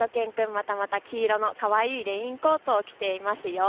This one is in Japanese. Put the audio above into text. またまた黄色のかわいいレインコートを着ています。